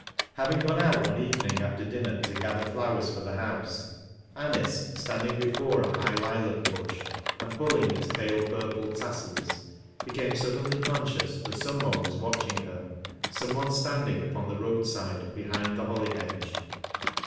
Having gone out one evening after dinner tr grathet 48 TEAT LASS C LOWRISPS. flowers for the house, Anice, standing before a h?.gh Iil&« bush, and pulling its pale purple tassels, became suddenlj conscious that some one was watching her — some one standing upon the roadside behind the holly hedge.